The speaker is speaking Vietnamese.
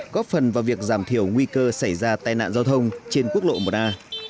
góp phần vào việc giảm thiểu nguy cơ xảy ra tai nạn giao thông trên quốc lộ một a